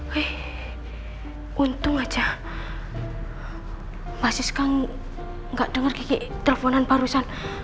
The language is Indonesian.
weh untung aja masis kan gak denger kiki teleponan barusan